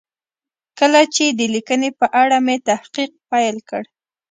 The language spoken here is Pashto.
کله چې د لیکنې په اړه مې تحقیق پیل کړ.